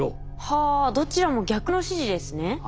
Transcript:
はあどちらも逆の指示ですね。